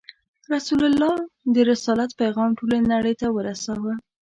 رسول الله د رسالت پیغام ټولې نړۍ ته ورساوه.